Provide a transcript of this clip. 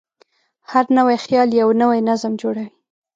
هر نوی خیال یو نوی نظم جوړوي.